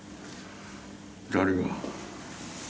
誰が？